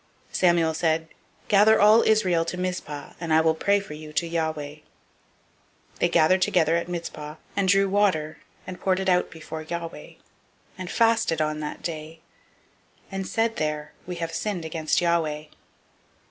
007:005 Samuel said, "Gather all Israel to Mizpah, and I will pray for you to Yahweh." 007:006 They gathered together to Mizpah, and drew water, and poured it out before Yahweh, and fasted on that day, and said there, "We have sinned against Yahweh."